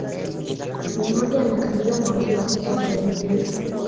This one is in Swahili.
ni moja ya makabila mawili makubwa zaidi ya